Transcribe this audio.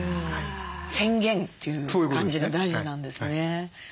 宣言という感じが大事なんですね。